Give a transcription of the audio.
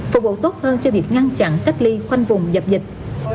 phục vụ tốt hơn cho việc ngăn chặn cách ly khoanh vùng dập dịch